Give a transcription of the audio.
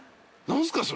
何すか？